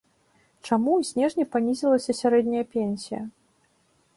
Чаму у снежні панізілася сярэдняя пенсія?